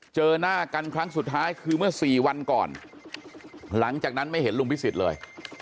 เจอหน้ากันครั้งสุดท้ายคือเมื่อสี่วันก่อนหลังจากนั้นไม่เห็นลุงพิสิทธิ์เลย